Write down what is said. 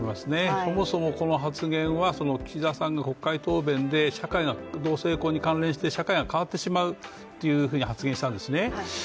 そもそもこの発言は岸田さんが国会答弁で同性婚が関連して社会が変わってしまうっていうふうに発言したんですね。